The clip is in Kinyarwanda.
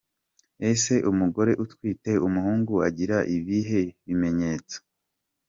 Ese umugore utwite umuhungu agira ibihe bimenyetso?.